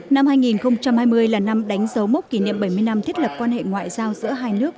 năm hai nghìn hai mươi là năm đánh dấu mốc kỷ niệm bảy mươi năm thiết lập quan hệ ngoại giao giữa hai nước